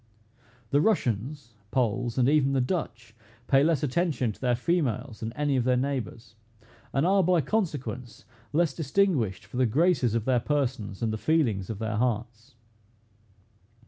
The Russians, Poles, and even the Dutch, pay less attention to their females than any of their neighbors, and are, by consequence, less distinguished for the graces of their persons, and the feelings of their hearts.